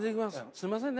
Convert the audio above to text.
すんませんね。